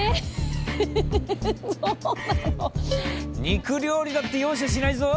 肉料理だって容赦しないぞ。